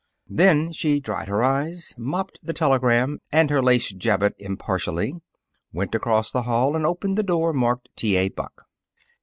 Then she dried her eyes, mopped the telegram and her lace jabot impartially, went across the hall and opened the door marked "T. A. BUCK."